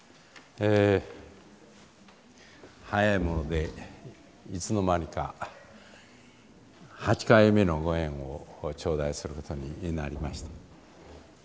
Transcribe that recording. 早いものでいつの間にか８回目のご縁を頂戴することになりました。